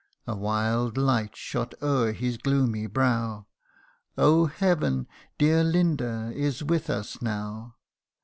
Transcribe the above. A wild light shot o'er his gloomy brow ;" Oh ! Heaven, dear Linda, is with us now